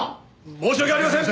申し訳ありません！